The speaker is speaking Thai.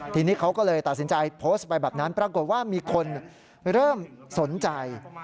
ทีนี้เขาก็เลยตัดสินใจโพสต์ไปแบบนั้นปรากฏว่ามีคนเริ่มสนใจ